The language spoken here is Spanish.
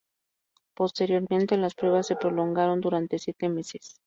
Posteriormente, las pruebas se prolongaron durante siete meses.